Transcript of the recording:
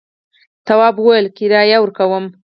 تواب وویل کرايه ورکوم.